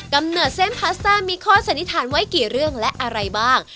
เนิดเส้นพาสต้ามีข้อสันนิษฐานไว้กี่เรื่องและอะไรบ้าง